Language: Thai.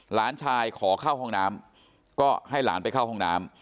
หลานชายขอเข้าห้องน้ำก็ให้หลานไปเข้าห้องน้ำ